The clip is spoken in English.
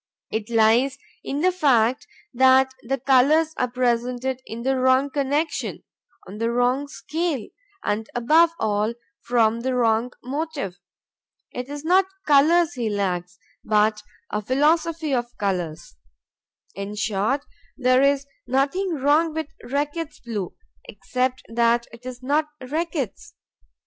It lies in the fact that the colors are presented in the wrong connection, on the wrong scale, and, above all, from the wrong motive. It is not colors he lacks, but a philosophy of colors. In short, there is nothing wrong with Reckitt's Blue except that it is not Reckitt's.